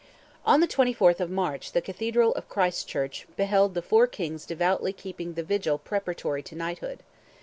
On the 24th of March the Cathedral of Christ's Church beheld the four kings devoutly keeping the vigil preparatory to knighthood.